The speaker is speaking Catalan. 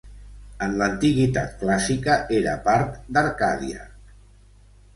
En l'antiguitat clàssica, era part d'Arcadia.